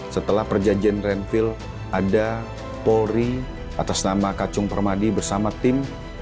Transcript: setelah perjanjian renvil ada polri atas nama kacung permadi bersama tim